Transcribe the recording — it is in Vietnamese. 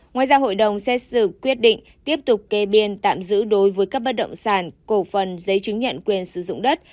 ngoài ra hội đồng xét xử quyết định tiếp tục kê biên tạm giữ đối với các bất động sản cổ phần giấy chứng nhận quyền sử dụng đất